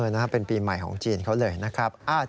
นะครับเป็นปีใหม่ของจีนเขาเลยนะครับ